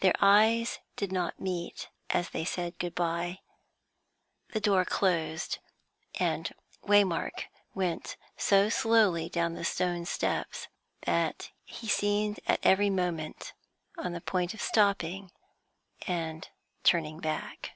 Their eyes did not meet as they said good bye. The door closed, and Waymark went so slowly down the stone steps that he seemed at every moment on the point of stopping and turning back.